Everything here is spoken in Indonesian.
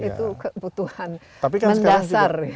itu kebutuhan mendasar